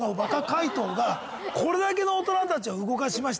回答がこれだけの大人たちを動かしました。